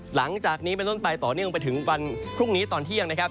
หลังจากนี้เป็นต้นไปต่อเนื่องไปถึงวันพรุ่งนี้ตอนเที่ยงนะครับ